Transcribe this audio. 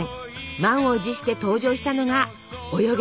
満を持して登場したのが「およげ！